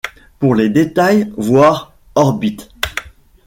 Pour les détails, voir orbite.